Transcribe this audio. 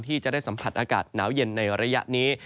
ที่จะได้สัมผัสอากาศหนาวเย็นในระยะนี้